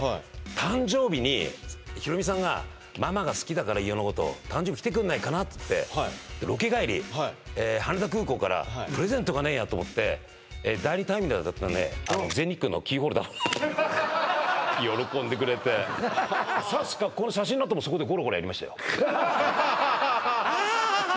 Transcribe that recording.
誕生日にヒロミさんがママが好きだから飯尾のこと誕生日きてくんないかなっつってロケ帰り羽田空港からプレゼントがねえやと思って第２ターミナルだったんで全日空のキーホルダーを喜んでくれて確かこの写真のあともそこでゴロゴロやりましたよああ！